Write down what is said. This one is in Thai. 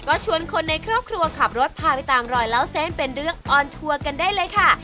ก็ชวนคนในครอบครัวขับรถพาไปตามรอยเล่าเส้นเป็นเรื่องออนทัวร์กันได้เลยค่ะ